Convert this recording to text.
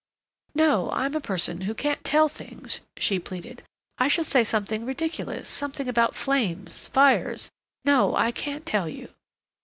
"No, I'm a person who can't tell things," she pleaded. "I shall say something ridiculous—something about flames—fires. No, I can't tell you."